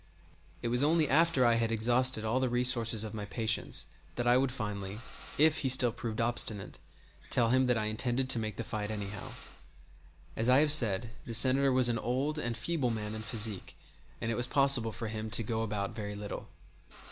It was only after I had exhausted all the resources of my patience that I would finally, if he still proved obstinate, tell him that I intended to make the fight anyhow. As I have said, the Senator was an old and feeble man in physique, and it was possible for him to go about very little.